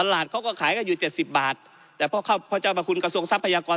เขาก็ขายกันอยู่เจ็ดสิบบาทแต่พอเข้าพระเจ้าประคุณกระทรวงทรัพยากร